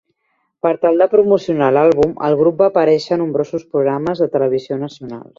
Per tal de promocionar l'àlbum, el grup va aparèixer a nombrosos programes de televisió nacionals.